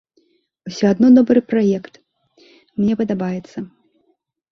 Усё адно добры праект, мне падабаецца.